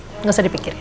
nggak usah dipikirin